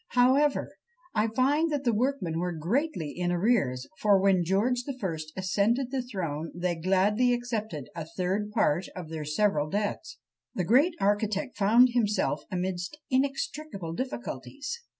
However, I find that the workmen were greatly in arrears; for when George the First ascended the throne, they gladly accepted a third part of their several debts! The great architect found himself amidst inextricable difficulties.